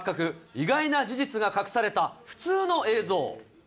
意外な事実が隠された普通の映像。